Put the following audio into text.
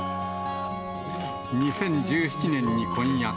２０１７年に婚約。